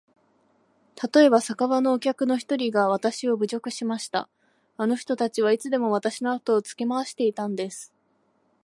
たとえば、酒場のお客の一人がわたしを侮辱しました。あの人たちはいつでもわたしのあとをつけ廻していたんです。